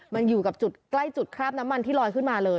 มันอยู่กับจุดใกล้จุดคราบน้ำมันที่ลอยขึ้นมาเลย